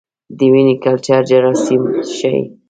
د وینې کلچر جراثیم ښيي.